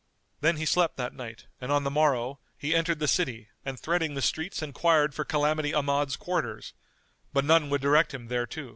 Then he slept that night and on the morrow he entered the city and threading the streets enquired for Calamity Ahmad's quarters; but none would direct him thereto.